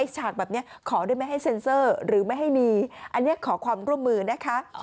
ฉากแบบนี้ขอได้ไหมให้เซ็นเซอร์หรือไม่ให้มีอันนี้ขอความร่วมมือนะคะ